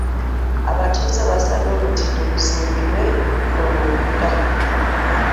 Abatuuze baasabye olutindo luzimbibwe ku mugga.